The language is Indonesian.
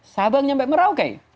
sabang sampai merauke